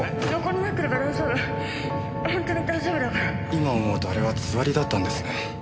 今思うとあれはつわりだったんですね。